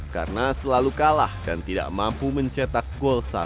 karena selalu kalah dan tidak mampu mencet papan kelas men sementara